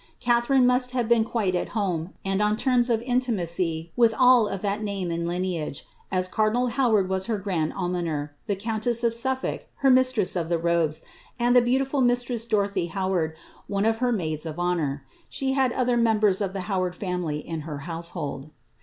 Catharine must have been quite at home, and on vema of intimacy with all of that name and lineage, as cardinal Howard was her grand almoner, the countess of SuflTolk her mistress of the robet) and the beautiful mistress Dorothy Howard, one of her maids of honour. She liad other meml>ers of the Howard family in her household.